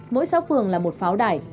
mỗi xã phường là một pháo đải